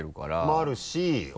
もあるし。